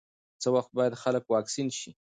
څه وخت باید خلک واکسین شي؟